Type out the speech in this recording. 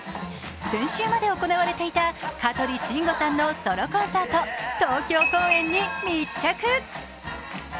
先週まで行われていた香取慎吾さんのソロコンサート、東京公演に密着。